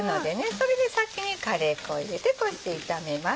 それで先にカレー粉を入れてこうして炒めます。